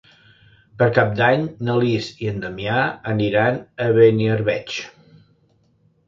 Per Cap d'Any na Lis i en Damià aniran a Beniarbeig.